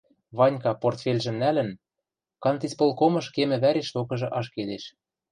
Ванька, портфельжӹм нӓлӹн, кантисполкомыш кемӹ вӓреш токыжы ашкедеш.